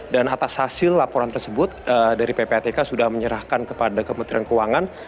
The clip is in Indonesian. dan atas hasil laporan tersebut dari ppatk sudah menyerahkan kepada kementerian keuangan